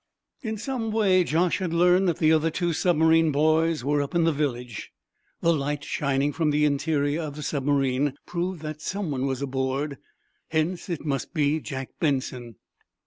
In some way Josh had learned that the other two submarine boys were up in the village. The lights shining from the interior of the submarine proved that someone was aboard. Hence it must be Jack Benson.